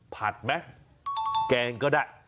ผัดไหมแกงก็ได้